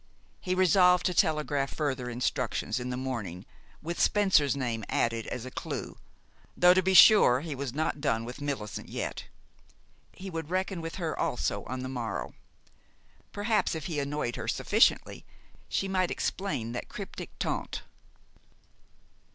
He resolved to telegraph further instructions in the morning, with Spencer's name added as a clew, though, to be sure, he was not done with Millicent yet. He would reckon with her also on the morrow. Perhaps, if he annoyed her sufficiently, she might explain that cryptic taunt.